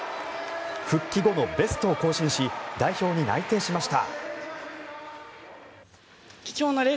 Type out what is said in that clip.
復帰後のベストを更新し代表に内定しました。